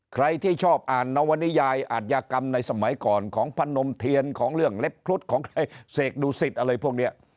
ใครที่ชอบอ่านนวนิยายอาจยากรรมในสมัยก่อนของพนมเทียนของเรื่องเล็บครุฑของเสกดูสิตอะไรพวกนี้